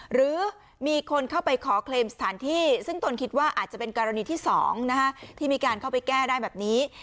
หรือมีคนเข้าไปขอเคลมสถานที่ซึ่งตนคิดว่าอาจจะเป็นกรณีที่๒ที่มีการเข้าไปแก้ได้แบบนี้